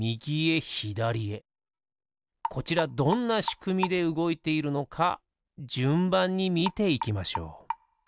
こちらどんなしくみでうごいているのかじゅんばんにみていきましょう。